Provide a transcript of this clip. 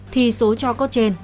thì số cho cốt trên